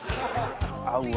合うわ。